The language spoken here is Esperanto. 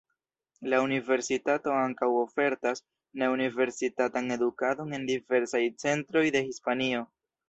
La universitato ankaŭ ofertas ne-universitatan edukadon en diversaj centroj de Hispanio.